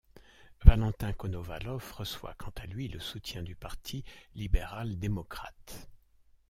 Valentin Konovalov reçoit quant à lui le soutien du Parti libéral-démocrate.